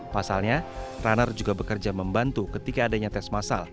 pasalnya runner juga bekerja membantu ketika adanya tes masal